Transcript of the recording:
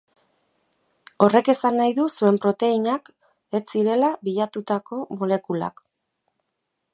Horrek esan nahi zuen proteinak ez zirela bilatutako molekulak.